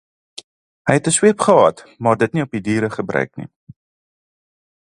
Hy het 'n sweep gehad, maar dit nie op die diere gebruik nie.